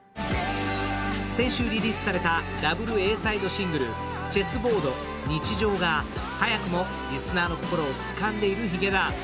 先週リリースされたダブルＡサイドシングル「Ｃｈｅｓｓｂｏａｒｄ／日常」が早くもリスナーの心をつかんでいるヒゲダン。